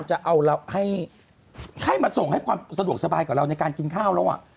จะเอาให้มาส่งให้ความสะดวกสบายกับเราในการกินข้าวแล้ว